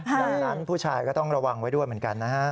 ดังนั้นผู้ชายก็ต้องระวังไว้ด้วยเหมือนกันนะฮะ